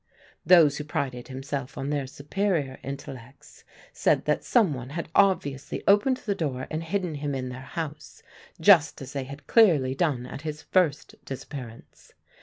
Those who prided themselves on their superior intellects said that some one had obviously opened the door and hidden him in their house, just as they had clearly done at his first disappearance.